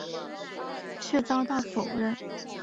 却遭到否认。